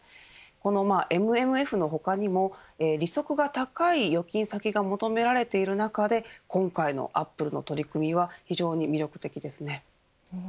このＭＭＦほかにも利息が高い預金先が求められている中で今回のアップルの取り組みは非常に魅力的ですね。